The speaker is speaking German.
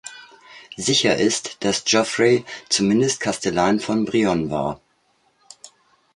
Sicher ist, dass Geoffroy zumindest Kastellan von Brionne war.